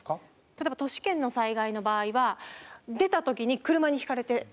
例えば都市圏の災害の場合は出た時に車にひかれて。